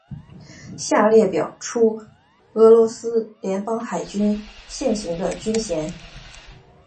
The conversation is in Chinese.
下表列出俄罗斯联邦海军现行的军衔。